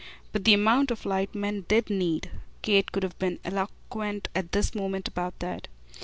But the amount of light men DID need! Kate could have been eloquent at this moment about that.